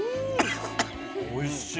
おいしい。